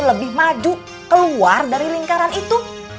lebih maju keluar dari lingkaran itu